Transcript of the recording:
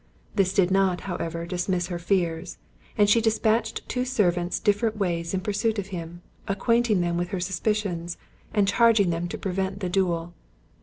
This did not, however, dismiss her fears, and she dispatched two servants different ways in pursuit of him, acquainting them with her suspicions, and charging them to prevent the duel.